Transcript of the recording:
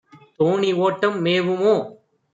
தோணிஓட்டம் மேவுமோ?